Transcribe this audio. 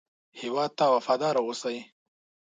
هېواد ته وفاداره اوسئ